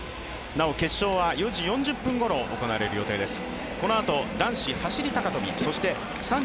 なお決勝は４時４０分ごろ、行われる予定です。